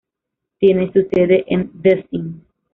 Tiene su sede en Děčín.